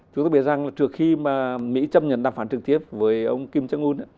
chúng tôi biết rằng là trước khi mà mỹ chấp nhận đàm phán trực tiếp với ông kim jong un